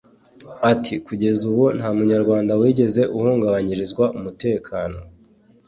Ati “Kugeza ubu nta Munyarwanda wigeze ahungabanyirizwa umutekano